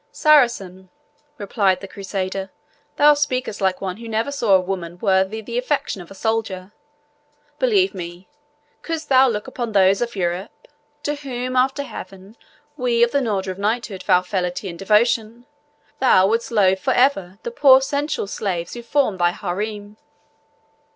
"Saracen," replied the Crusader, "thou speakest like one who never saw a woman worthy the affection of a soldier. Believe me, couldst thou look upon those of Europe, to whom, after Heaven, we of the order of knighthood vow fealty and devotion, thou wouldst loathe for ever the poor sensual slaves who form thy haram.